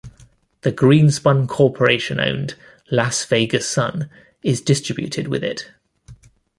The Greenspun Corporation-owned "Las Vegas Sun" is distributed with it.